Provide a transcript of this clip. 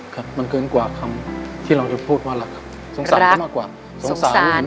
ครับมันเกินกว่าคำที่เราจะพูดว่าเราสงสารเขามากกว่าสงสาร